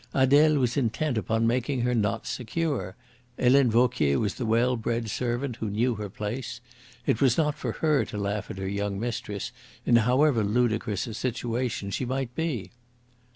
Adele was intent upon making her knots secure. Helene Vauquier was the well bred servant who knew her place. It was not for her to laugh at her young mistress, in however ludicrous a situation she might be.